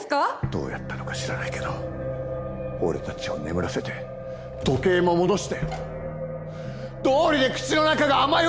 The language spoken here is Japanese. どうやったのか知らないけど俺たちを眠らせて時計も戻してどうりで口の中が甘いわけだ！